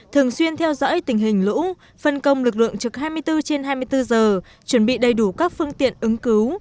thường xuyên theo dõi tình hình lũ phân công lực lượng trực hai mươi bốn trên hai mươi bốn giờ chuẩn bị đầy đủ các phương tiện ứng cứu